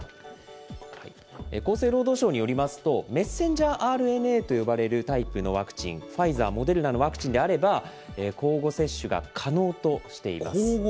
厚生労働省によりますと、メッセンジャーＲＮＡと呼ばれるタイプのワクチン、ファイザー、モデルナのワクチンであれば、交互接種が可能としています。